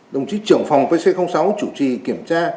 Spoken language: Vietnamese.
đồng chí trưởng phòng với c sáu chủ trì kiểm tra